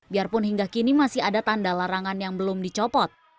biarpun hingga kini masih ada tanda larangan yang belum dicopot